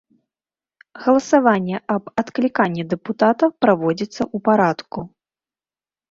Галасаванне аб адкліканні дэпутата праводзіцца ў парадку.